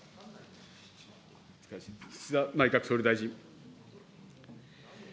岸田内閣総理大臣。